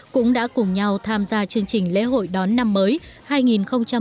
cũng đã cùng nhau tham gia chương trình lễ hội đón năm mới hai nghìn một mươi tám